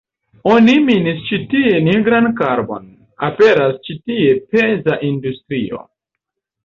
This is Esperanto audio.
Oni minis ĉi tie nigran karbon, aperas ĉi tie peza industrio.